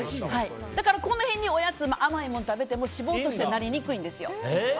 だから、この辺におやつの甘いものを食べても脂肪としてなりにくいんですよ。